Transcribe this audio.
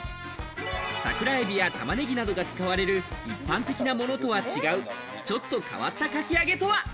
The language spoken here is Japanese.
桜エビやタマネギなどが使われる、一般的なものとは違う、ちょっと変わったかき揚げとは？